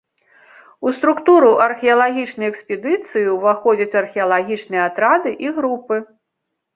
У структуру археалагічнай экспедыцыі ўваходзяць археалагічныя атрады і групы.